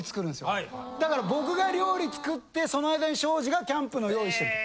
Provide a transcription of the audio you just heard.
だから僕が料理作ってその間に庄司がキャンプの用意してる。